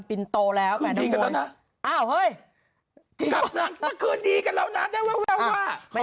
เป็นโตแล้วแหม้นฮวย